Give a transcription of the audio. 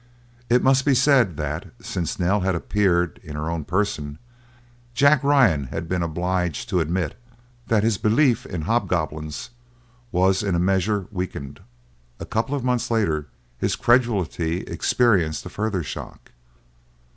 It must be said that, since Nell had appeared in her own person, Jack Ryan had been obliged to admit that his belief in hobgoblins was in a measure weakened. A couple of months later his credulity experienced a further shock.